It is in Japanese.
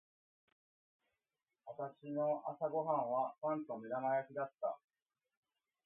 私の朝ご飯はパンと目玉焼きだった。